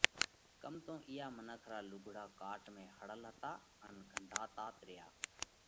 ڪم تو اُوئا منک را لُوگھڙا ڪاٽ ۾ ۿڙل هتا ان گھنڌاتات ريا۔